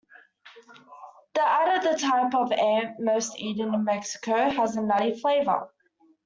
The "Atta", the type of ant most eaten in Mexico, has a nutty flavor.